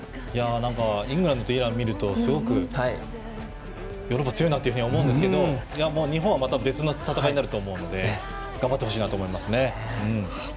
イングランドとイランを見るとすごくヨーロッパ強いなと思いますが日本は別の戦いなので頑張ってほしいなと思いますね。